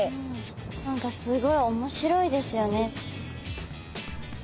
何かすごい面白いですよね。